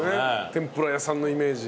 天ぷら屋さんのイメージ。